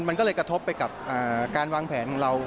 มันก็เลยกระทบไปกับการวางแผนของเรา